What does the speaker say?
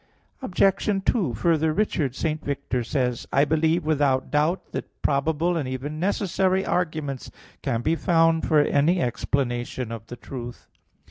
Obj. 2: Further, Richard St. Victor says (De Trin. i, 4): "I believe without doubt that probable and even necessary arguments can be found for any explanation of the truth."